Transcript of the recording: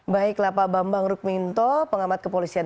baiklah pak bambang rukminto pengamat kepolisian